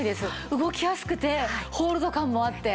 動きやすくてホールド感もあって。